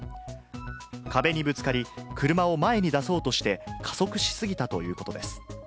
壁にぶつかり、車を前に出そうとして加速しすぎたということです。